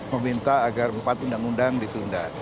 meminta agar empat undang undang ditunda